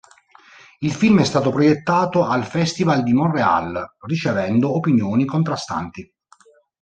Il film è stato proiettato al Festival di Montreal ricevendo opinioni contrastanti.